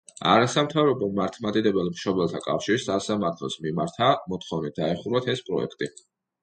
არასამთავრობო „მართლმადიდებელ მშობელთა კავშირი“ სასამართლოს მიმართა მოთხოვნით, დაეხურათ ეს პროექტი.